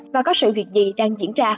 và có sự việc gì đang diễn ra